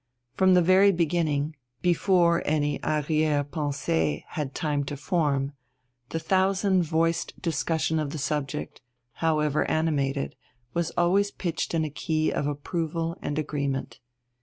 From the very beginning, before any arrière pensée had had time to form, the thousand voiced discussion of the subject, however animated, was always pitched in a key of approval and agreement.